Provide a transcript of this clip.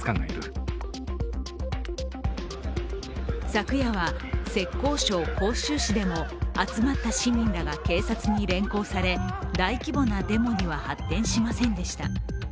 昨夜は浙江省杭州市でも集まった市民らが警察に連行され大規模なデモには発展しませんでした。